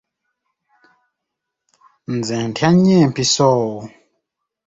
Nze ntya nnyo empiso.